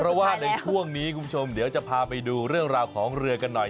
เพราะว่าในช่วงนี้คุณผู้ชมเดี๋ยวจะพาไปดูเรื่องราวของเรือกันหน่อย